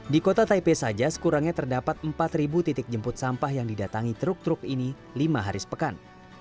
di kota taipei saja sekurangnya terdapat empat titik jemput sampah yang didatangi truk truk ini lima hari sepekan